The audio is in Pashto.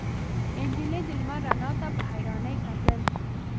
نجلۍ د لمر رڼا ته په حيرانۍ کتل.